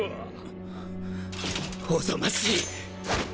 おぞましい！